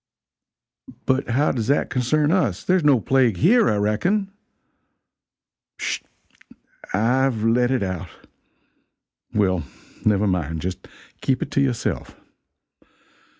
"But how does that concern us? There is no plague here, I reckon." "Sh! I've let it out! Well, never mind just keep it to yourself.